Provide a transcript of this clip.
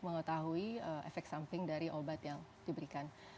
mengetahui efek samping dari obat yang diberikan